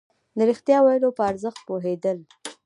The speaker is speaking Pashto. د رښتيا ويلو په ارزښت پوهېدل.